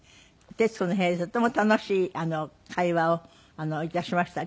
『徹子の部屋』でとても楽しい会話を致しました。